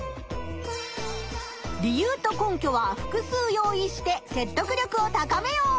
理由と根拠は複数用意してせっとく力を高めよう。